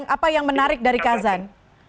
apa yang menarik dari kazan